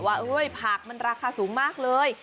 ว่าผักมันราคาสูงมากเลย